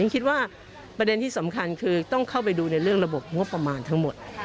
คิดว่าประเด็นที่สำคัญคือต้องเข้าไปดูในเรื่องระบบงบประมาณทั้งหมด